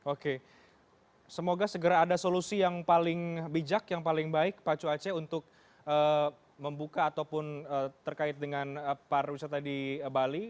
oke semoga segera ada solusi yang paling bijak yang paling baik pak cuace untuk membuka ataupun terkait dengan pariwisata di bali